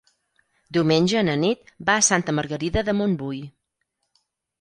Diumenge na Nit va a Santa Margarida de Montbui.